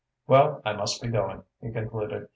"Well, I must be going," he concluded.